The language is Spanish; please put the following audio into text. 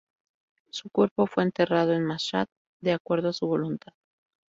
Su cuerpo fue enterrado en Mashhad de acuerdo a su voluntad.